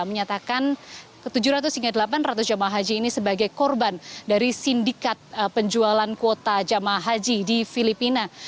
menyatakan tujuh ratus hingga delapan ratus jamaah haji ini sebagai korban dari sindikat penjualan kuota jamaah haji di filipina